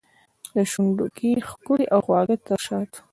شونډو کې ښکلي او خواږه تر شاتو